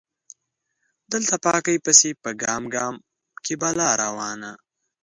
دلته پاکۍ پسې په ګام ګام کې بلا روانه